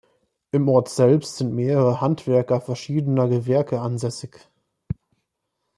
Im Ort selbst sind mehrere Handwerker verschiedener Gewerke ansässig.